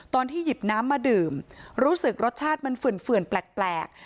ตอนที่หยิบน้ำมาดื่มรู้สึกรสชาติมันเฝื่อนแปลก